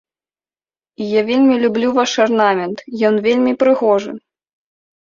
І я вельмі люблю ваш арнамент, ён вельмі прыгожы!